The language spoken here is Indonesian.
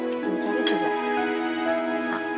iya kan sini cari juga